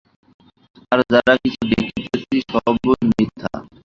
আর যাহা কিছু দেখিতেছি, সবই মিথ্যা।